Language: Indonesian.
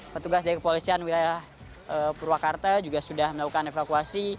petugas dari kepolisian wilayah purwakarta juga sudah melakukan evakuasi